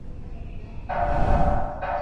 中里是东京都北区的町名。